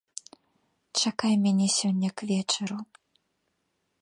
Чакай мяне сёння к вечару.